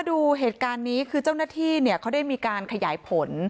ก็จะรู้เหตุงานที่นี่คือเจ้าหน้าที่นี่เขาได้การขยายผล